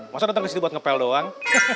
masa datang kesini buat ngepel doang